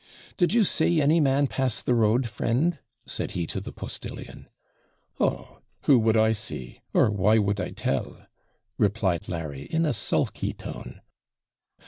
'Did you see any man pass the road, friend?' said he to the postillion. 'Oh! who would I see? or why would I tell?' replied Larry, in a sulky tone.